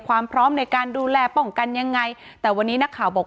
ความพร้อมในการดูแลป้องกันยังไงแต่วันนี้นักข่าวบอก